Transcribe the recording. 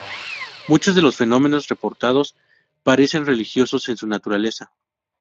Muchos de los fenómenos reportados parecen religiosos en su naturaleza.